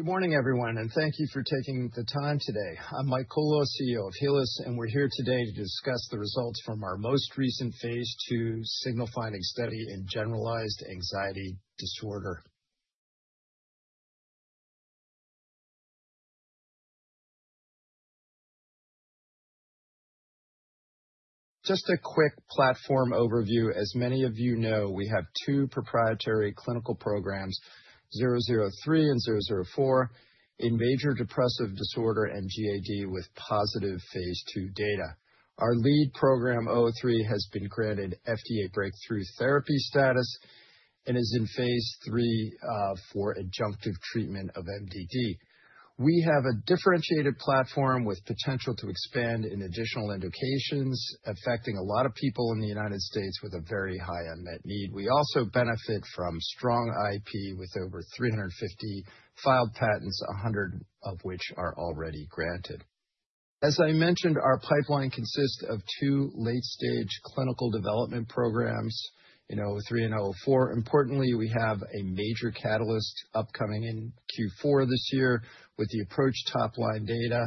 Good morning, everyone, and thank you for taking the time today. I'm, CEO of Healis, and we're here today to discuss the results from our most recent Phase II signal detection study in Generalized Anxiety Disorder. Just a quick platform overview. As many of you know, we have two proprietary clinical programs, CYB003 and CYB004 in major depressive disorder and GAD with positive Phase II data. Our lead program, CYB003, has been granted FDA Breakthrough Therapy status and is in Phase III for adjunctive treatment of MDD. We have a differentiated platform with potential to expand in additional indications affecting a lot of people in the United States with a very high unmet need. We also benefit from strong IP with over 350 filed patents, 100 of which are already granted. As I mentioned, our pipeline consists of two late-stage clinical development programs in CYB003 and CYB004. Importantly, we have a major catalyst upcoming in Q4 this year with the APPROACH top line data,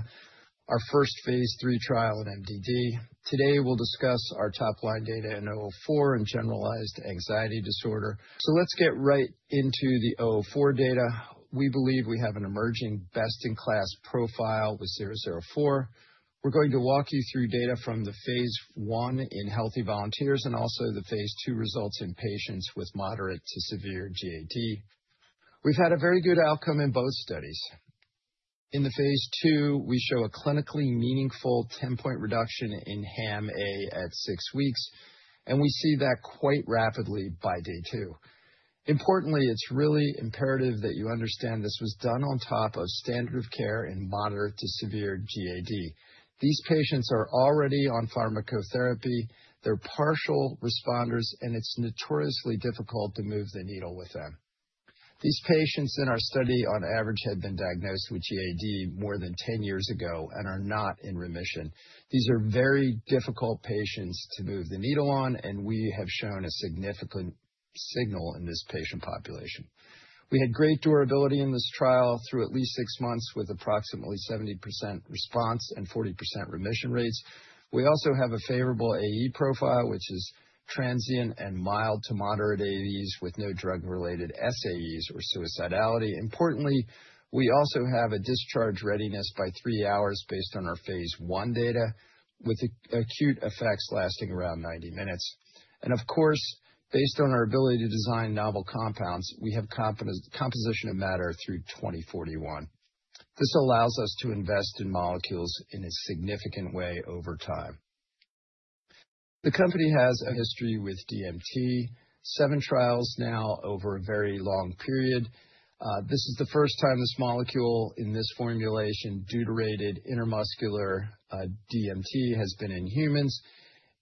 our first phase III trial in MDD. Today, we'll discuss our top-line data in CYB004 in Generalized Anxiety Disorder. Let's get right into the CYB004 data. We believe we have an emerging best-in-class profile with CYB004. We're going to walk you through data from the phase I in healthy volunteers and also the phase II results in patients with moderate to severe GAD. We've had a very good outcome in both studies. In the phase II, we show a clinically meaningful 10-point reduction in HAM-A at 6 weeks, and we see that quite rapidly by day two. It's really imperative that you understand this was done on top of standard of care in moderate to severe GAD. These patients are already on pharmacotherapy. They're partial responders, it's notoriously difficult to move the needle with them. These patients in our study, on average, had been diagnosed with GAD more than 10 years ago and are not in remission. These are very difficult patients to move the needle on, we have shown a significant signal in this patient population. We had great durability in this trial through at least six months with approximately 70% response and 40% remission rates. We also have a favorable AE profile, which is transient and mild to moderate AEs with no drug-related SAEs or suicidality. We also have a discharge readiness by 3 hours based on our phase I data with acute effects lasting around 90 minutes. Of course, based on our ability to design novel compounds, we have composition of matter through 2041. This allows us to invest in molecules in a significant way over time. The company has a history with DMT. Seven trials now over a very long period. This is the first time this molecule in this formulation, deuterated intramuscular, DMT, has been in humans,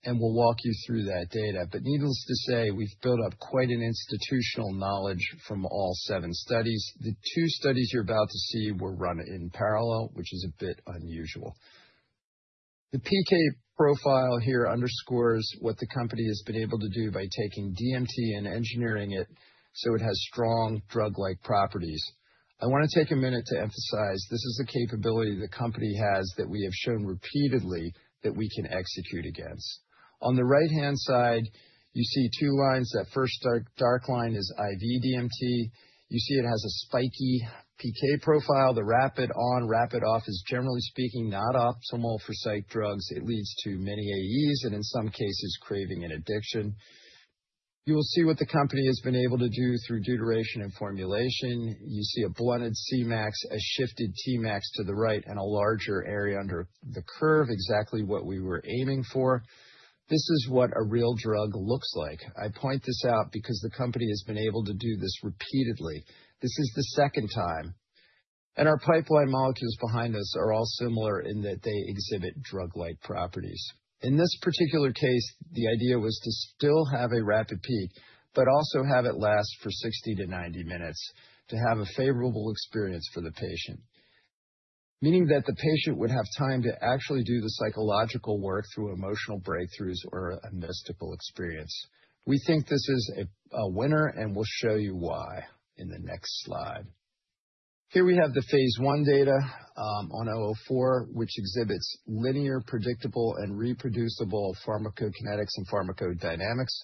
and we'll walk you through that data. Needless to say, we've built up quite an institutional knowledge from all seven studies. The two studies you're about to see were run in parallel, which is a bit unusual. The PK profile here underscores what the company has been able to do by taking DMT and engineering it, so it has strong drug-like properties. I wanna take a minute to emphasize this is the capability the company has that we have shown repeatedly that we can execute against. On the right-hand side, you see two lines. That first dark line is IV DMT. You see it has a spiky PK profile. The rapid on, rapid off is, generally speaking, not optimal for psych drugs. It leads to many AEs and, in some cases, craving and addiction. You will see what the company has been able to do through deuteration and formulation. You see a blunted Cmax, a shifted Tmax to the right, and a larger Area Under the Curve, exactly what we were aiming for. This is what a real drug looks like. I point this out because the company has been able to do this repeatedly. This is the second time. Our pipeline molecules behind us are all similar in that they exhibit drug-like properties. In this particular case, the idea was to still have a rapid peak, but also have it last for 60-90 minutes to have a favorable experience for the patient, meaning that the patient would have time to actually do the psychological work through emotional breakthroughs or a mystical experience. We think this is a winner, and we'll show you why in the next slide. Here we have the phase I data on CYB004, which exhibits linear, predictable, and reproducible pharmacokinetics and pharmacodynamics.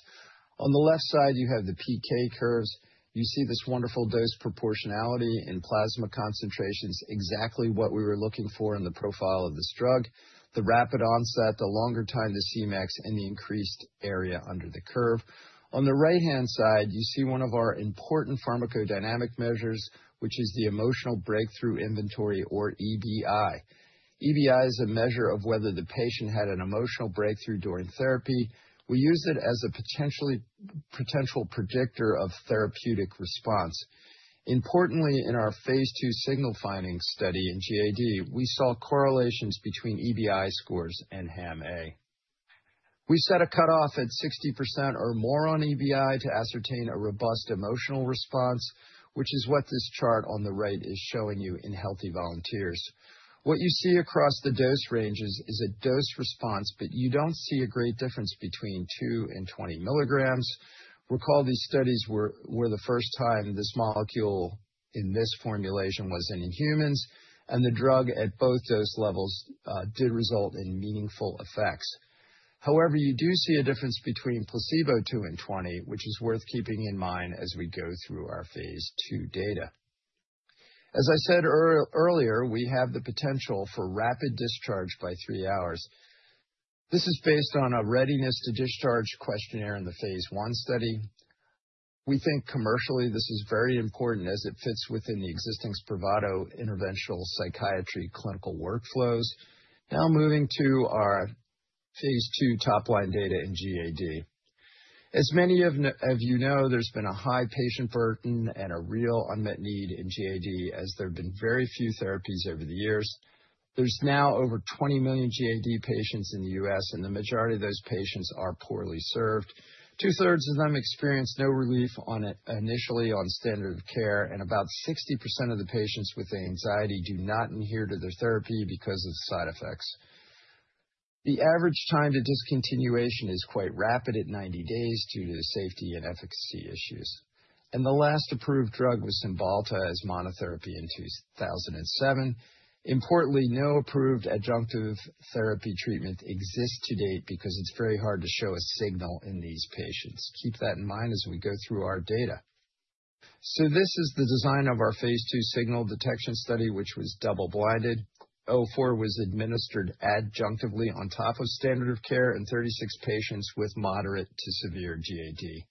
On the left side, you have the PK curves. You see this wonderful dose proportionality in plasma concentrations, exactly what we were looking for in the profile of this drug. The rapid onset, the longer time to Cmax, and the increased Area Under the Curve. On the right-hand side, you see one of our important pharmacodynamic measures, which is the Emotional Breakthrough Inventory or EBI. EBI is a measure of whether the patient had an emotional breakthrough during therapy. We use it as a potential predictor of therapeutic response. Importantly, in our Phase II signal detection study in GAD, we saw correlations between EBI scores and HAM-A. We set a cutoff at 60% or more on EBI to ascertain a robust emotional response, which is what this chart on the right is showing you in healthy volunteers. What you see across the dose ranges is a dose response, but you don't see a great difference between 2 and 20 milligrams. Recall these studies were the first time this molecule in this formulation was in humans, and the drug at both those levels did result in meaningful effects. You do see a difference between placebo 2 and 20, which is worth keeping in mind as we go through our phase II data. As I said earlier, we have the potential for rapid discharge by three hours. This is based on a Readiness for Discharge Questionnaire in the phase I study. We think commercially this is very important as it fits within the existing SPRAVATO interventional psychiatry clinical workflows. Now moving to our phase II top line data in GAD. As many of you know, there's been a high patient burden and a real unmet need in GAD as there have been very few therapies over the years. There's now over 20 million GAD patients in the U.S., and the majority of those patients are poorly served. Two-thirds of them experience no relief on it initially on standard of care, about 60% of the patients with anxiety do not adhere to their therapy because of side effects. The average time to discontinuation is quite rapid at 90 days due to the safety and efficacy issues. The last approved drug was Cymbalta as monotherapy in 2007. Importantly, no approved adjunctive therapy treatment exists to date because it's very hard to show a signal in these patients. Keep that in mind as we go through our data. This is the design of our Phase II signal detection study, which was double-blinded. O-four was administered adjunctively on top of standard of care in 36 patients with moderate to severe GAD.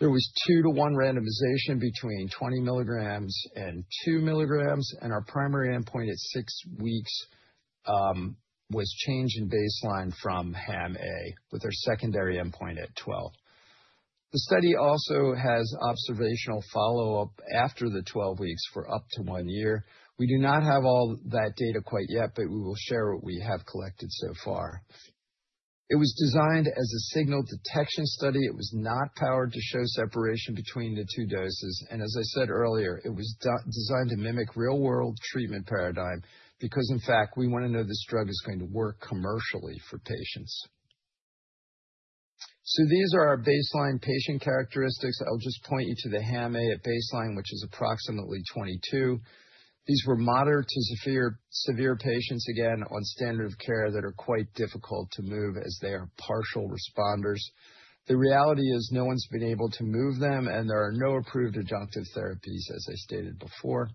There was two to one randomization between 20 milligrams and 2 milligrams. Our primary endpoint at 6 weeks was change in baseline from HAM-A, with our secondary endpoint at 12. The study also has observational follow-up after the 12 weeks for up to one year. We do not have all that data quite yet. We will share what we have collected so far. It was designed as a signal detection study. It was not powered to show separation between the two doses. As I said earlier, it was designed to mimic real-world treatment paradigm because in fact, we wanna know this drug is going to work commercially for patients. These are our baseline patient characteristics. I'll just point you to the HAM-A at baseline, which is approximately 22. These were moderate to severe patients, again, on standard of care that are quite difficult to move as they are partial responders. The reality is no one's been able to move them and there are no approved adjunctive therapies as I stated before.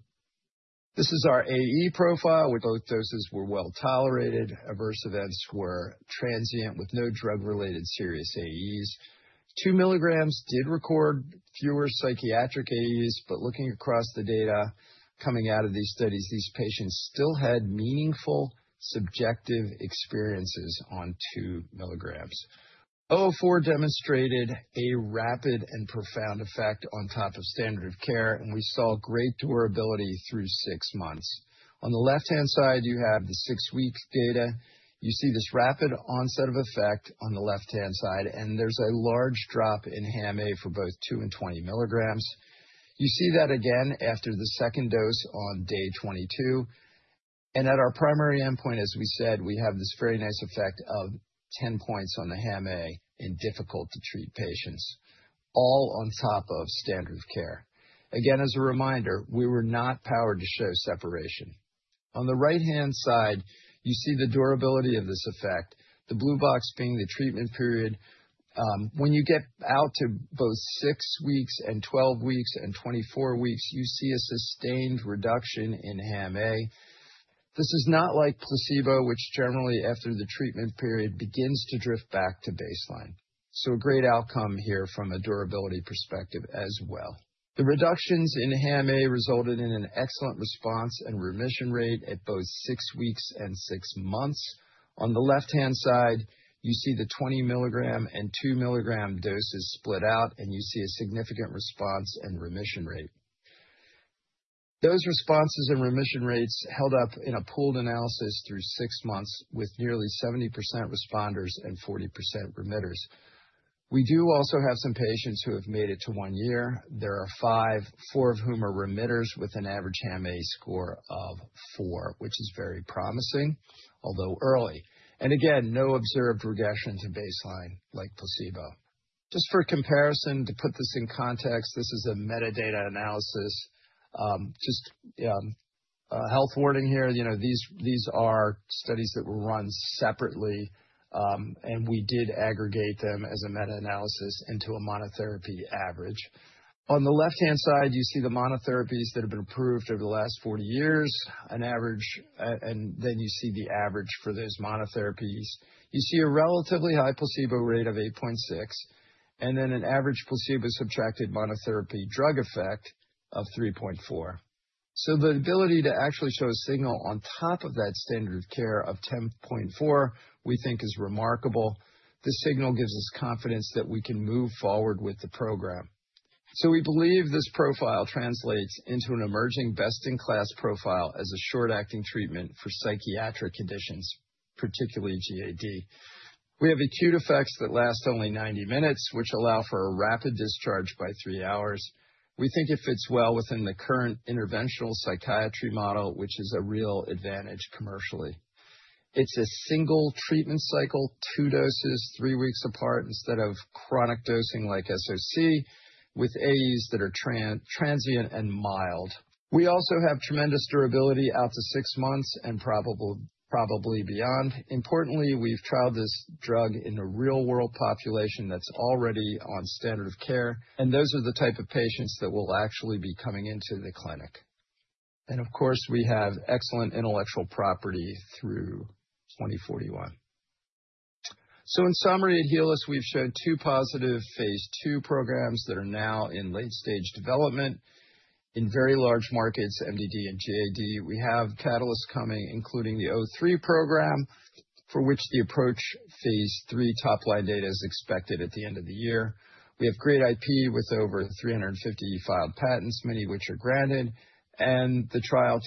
This is our AE profile where both doses were well tolerated. Adverse events were transient with no drug-related serious AEs. Two milligrams did record fewer psychiatric AEs. Looking across the data coming out of these studies, these patients still had meaningful subjective experiences on two milligrams. CYB004 demonstrated a rapid and profound effect on top of standard care. We saw great durability through six months. On the left-hand side, you have the six-week data. You see this rapid onset of effect on the left-hand side. There's a large drop in HAM-A for both two and 20 milligrams. You see that again after the second dose on day 22. At our primary endpoint, as we said, we have this very nice effect of 10 points on the HAM-A in difficult to treat patients, all on top of standard of care. Again, as a reminder, we were not powered to show separation. On the right-hand side, you see the durability of this effect, the blue box being the treatment period. When you get out to both 6 weeks and 12 weeks and 24 weeks, you see a sustained reduction in HAM-A. This is not like placebo, which generally after the treatment period begins to drift back to baseline. A great outcome here from a durability perspective as well. The reductions in HAM-A resulted in an excellent response and remission rate at both 6 weeks and 6 months. On the left-hand side, you see the 20 milligram and 2 milligram doses split out, and you see a significant response and remission rate. Those responses and remission rates held up in a pooled analysis through six months with nearly 70% responders and 40% remitters. We do also have some patients who have made it to one year. There are five, four of whom are remitters with an average HAM-A score of four, which is very promising, although early. Again, no observed regressions at baseline like placebo. Just for comparison, to put this in context, this is a meta-analysis. Just a health warning here. You know, these are studies that were run separately, and we did aggregate them as a meta-analysis into a monotherapy average. On the left-hand side, you see the monotherapies that have been approved over the last 40 years, an average, then you see the average for those monotherapies. You see a relatively high placebo rate of 8.6, then an average placebo-subtracted monotherapy drug effect of 3.4. The ability to actually show a signal on top of that standard of care of 10.4, we think is remarkable. This signal gives us confidence that we can move forward with the program. We believe this profile translates into an emerging best-in-class profile as a short-acting treatment for psychiatric conditions, particularly GAD. We have acute effects that last only 90 minutes, which allow for a rapid discharge by three hours. We think it fits well within the current interventional psychiatry model, which is a real advantage commercially. It's a single treatment cycle, two doses, three weeks apart, instead of chronic dosing like SOC with AEs that are transient and mild. We also have tremendous durability out to six months and probably beyond. Importantly, we've trialed this drug in a real-world population that's already on standard of care, and those are the type of patients that will actually be coming into the clinic. Of course, we have excellent intellectual property through 2041. In summary, at Cybin, we've shown two positive Phase programs that are now in late-stage development in very large markets, MDD and GAD. We have catalysts coming, including the CYB003 program, for which the APPROACH Phase III top line data is expected at the end of the year. We have great IP with over 350 filed patents, many of which are granted, and the trials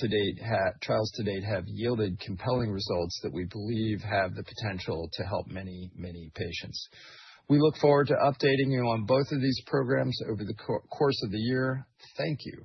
to date have yielded compelling results that we believe have the potential to help many patients. We look forward to updating you on both of these programs over the course of the year. Thank you.